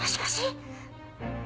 もしもし？